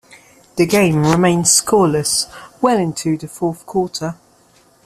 The game remained scoreless well into the fourth quarter.